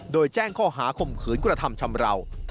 โดยแจ้งข้อหาข่มขืนกระทำชำราว